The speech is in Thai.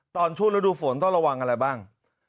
ช่วงฤดูฝนต้องระวังอะไรบ้าง